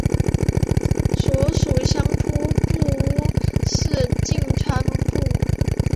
所属相扑部屋是境川部屋。